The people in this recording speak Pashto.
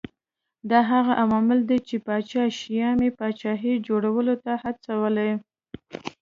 دا هغه عامل دی چې پاچا شیام یې پاچاهۍ جوړولو ته هڅولی